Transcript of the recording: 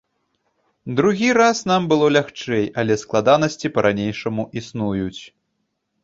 Другі раз нам было лягчэй, але складанасці па-ранейшаму існуюць.